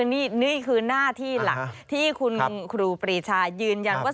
นี่คือหน้าที่หลักที่คุณครูปรีชายืนยันว่า